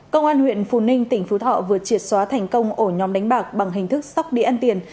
công an huyện phú ninh tỉnh phú thọ vừa triệt xóa thành công ổ nhóm đánh bạc bằng hình thức sóc đĩa ăn tiền